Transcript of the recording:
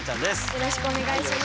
よろしくお願いします。